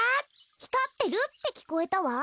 ひかってるってきこえたわ。